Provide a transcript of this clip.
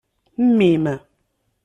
Mmi-m.